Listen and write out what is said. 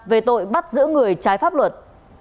về tội bắt giữ người trái pháp luật